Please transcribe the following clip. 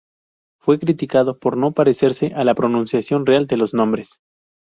Fue criticado por no parecerse a la pronunciación real de los nombres.